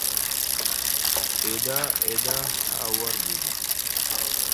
Eɗa eɗa haa war buza.